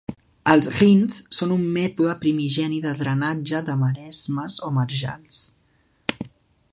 Els "rhynes" són un mètode primigeni de drenatge de maresmes o marjals.